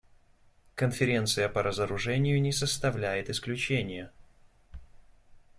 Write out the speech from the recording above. Конференция по разоружению не составляет исключения.